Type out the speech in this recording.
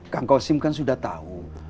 kang kosim kan sudah tahu